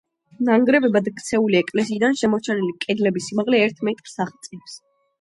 ნანგრევებად ქცეული ეკლესიიდან შემორჩენილი კედლების სიმაღლე ერთ მეტრს აღწევს.